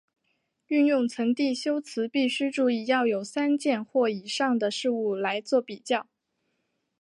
运用层递修辞必须注意要有三件或以上的事物来作比较。